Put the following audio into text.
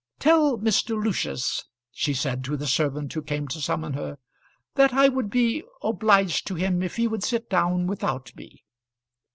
"Tell Mr. Lucius," she said to the servant who came to summon her, "that I would be obliged to him if he would sit down without me.